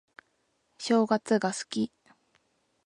正月が好き